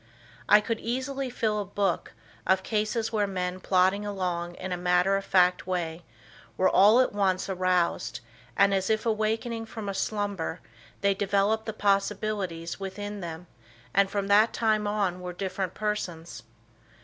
I could easily fill a book, of cases where men plodding along in a matter of fact way, were all at once aroused and as if awakening from a slumber they developed the possibilities within them and from that time on were different persons.